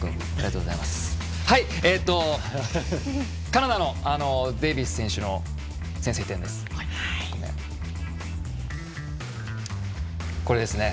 カナダのデイビス選手の先制点です。